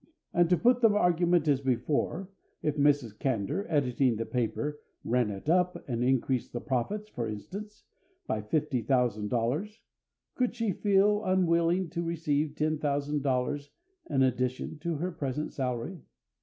And to put the argument as before, if Mrs. Candour, editing the paper, "ran it up" and increased the profits, for instance, by fifty thousand dollars, could she feel unwilling to receive ten thousand dollars in addition to her present salary?